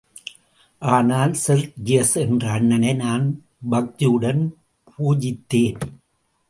ஆனால் செர்ஜியஸ் என்ற அண்ணனை நான் பக்தியுடன் பூஜித்தேன்.